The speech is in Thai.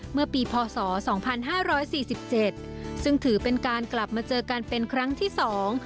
เมื่อปีพศสองพันห้าร้อยสี่สิบเจ็ดซึ่งถือเป็นการกลับมาเจอกันเป็นครั้งที่สอง